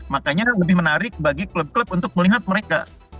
makanya lebih menarik bagi klub klub untuk melihat mereka